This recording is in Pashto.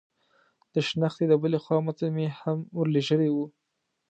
د شنختې د بلې خوا متن مې هم ور لېږلی و.